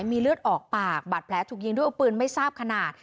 มีเลือดออกปากบาดแผลถูกยิงด้วยอาวุธปืนไม่ทราบขนาด